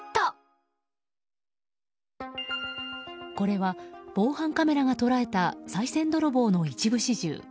これは防犯カメラが捉えたさい銭泥棒の一部始終。